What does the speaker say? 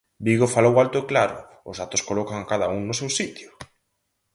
Vigo falou alto e claro, os datos colocan a cada un no seu sitio.